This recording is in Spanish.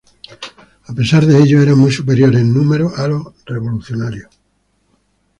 A pesar de ello eran muy superiores en número a los revolucionarios.